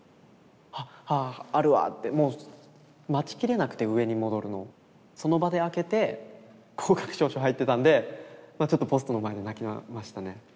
「あっあああるわ」ってもう待ちきれなくて上に戻るのその場で開けて合格証書入ってたんでまあちょっとポストの前で泣きましたね。